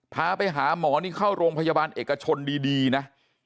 พาไปหาหมอนี่เข้าโรงพยาบาลเอกชนดีนะ